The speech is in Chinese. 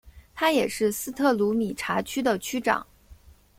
他也是斯特鲁米察区的区长。